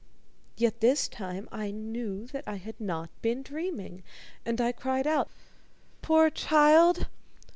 Yet this time I knew that I had not been dreaming, and I cried out: "Poor child!